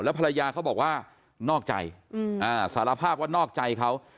ภรรยาเขาบอกว่านอกใจสารภาพว่านอกใจเขา